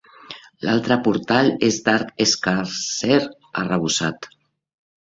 L'altre portal és d'arc escarser arrebossat.